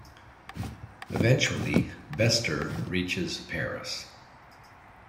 Eventually, Bester reaches Paris.